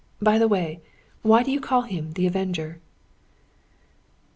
By the way, why do you call him the Avenger?"